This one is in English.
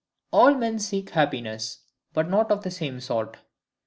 All men seek happiness, but not of the same sort.